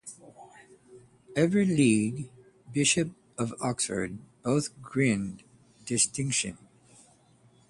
Edward Legge, Bishop of Oxford, both gained distinction.